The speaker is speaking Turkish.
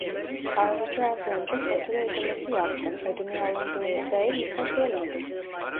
Ayrıca az önce fatura ödemesi yaptım ödeme alındığına dair mesaj gelmedi